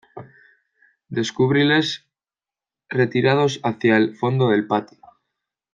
descubríles retirados hacia el fondo del patio